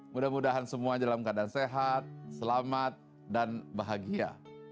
mudah mudahan semua dalam keadaan sehat selamat dan bahagia